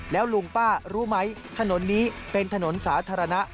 แล้วลุงป้ารู้ไหมถนนนี้เป็นถนนสาธารณะ